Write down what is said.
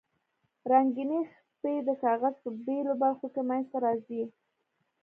رنګینې خپې د کاغذ په بیلو برخو کې منځ ته راځي.